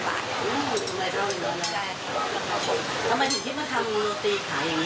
ทำไมถึงทิศว่าทำโรตีขายอย่างนี้